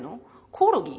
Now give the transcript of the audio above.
コオロギ？